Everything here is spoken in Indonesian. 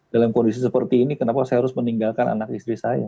dalam kondisi seperti ini kenapa saya harus meninggalkan anak istri saya